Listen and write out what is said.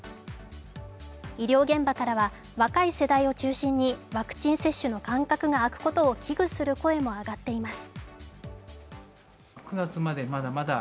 医療現場からは、若い世代を中心にワクチン接種の間隔が空くことを危惧する声も上がっています。